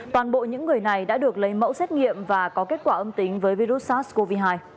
toàn bộ những người này đã được lấy mẫu xét nghiệm và có kết quả âm tính với virus sars cov hai